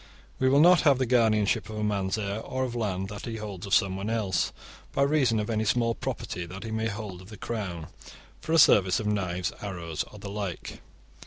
We will not have the guardianship of a man's heir, or of land that he holds of someone else, by reason of any small property that he may hold of the Crown for a service of knives, arrows, or the like.